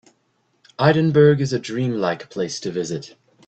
Edinburgh is a dream-like place to visit.